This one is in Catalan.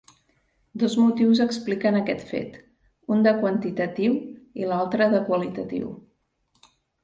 Dos motius expliquen aquest fet: un de quantitatiu i l'altre de qualitatiu.